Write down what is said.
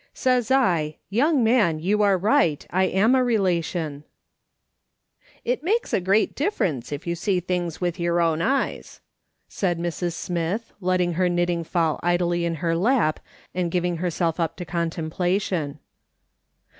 'SAYS /, 'YOUNG MAN, YOU ARE RIGHT, I AM A relation:" " It makes a great difference if you see things with your own eyes," said Mrs. Smith, letting her knitting fall idly in her lap, and giving herself up to contem plation.